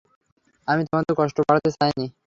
আমি তোমাদের কষ্ট বাড়াতে চাইনি।